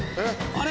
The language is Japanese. あれ？